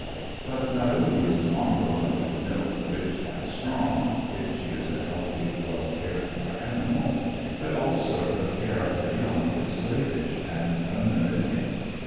But, not only is a mongrel mother's milk rich and strong (if she is a healthy, well cared for animal), but also her care of her young is slavish and unremitting.